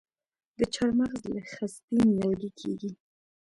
د چهارمغز له خستې نیالګی کیږي؟